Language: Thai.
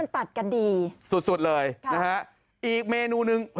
เพราะว่ามันตัดกันดีสุดสุดเลยครับอีกเมนูหนึ่งเฮ้ย